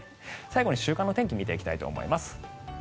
最後に週間の天気を見ていきたいと思います。